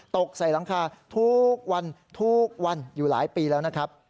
ตกใส่หลังคาทุกวันทุกวันอยู่หลายปีแล้วนะครับ